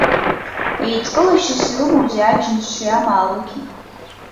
Еидкылашьас ирымоузеи аџьныши амаалықьи.